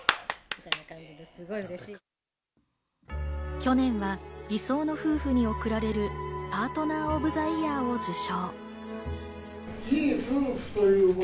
去年は理想の夫婦に贈られるパートナー・オブ・ザ・イヤーも受賞。